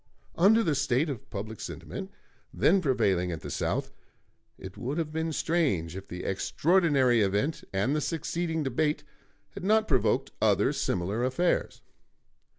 Under the state of public sentiment then prevailing at the South, it would have been strange if the extraordinary event and the succeeding debate had not provoked other similar affairs.